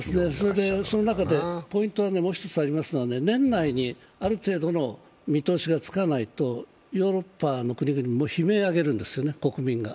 その中でポイントはもう１つありますが、年内にある程度の見通しがつかないと、ヨーロッパの国々も悲鳴を上げるんですよね、国民が。